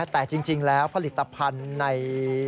แต่จริงแล้วผลิตภัณฑ์ใน